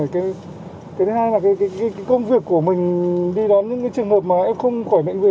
cái thứ hai là công việc của mình đi đón những trường hợp f khỏi bệnh về